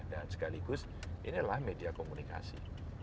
dan sekaligus inilah media komunikasi